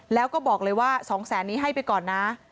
แล้วก็บอกเลยว่า๒แสนนี้ให้ไปก่อนนะ